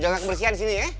jangan kebersihan disini